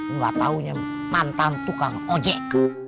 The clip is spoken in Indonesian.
enggak taunya mantan tukang ojek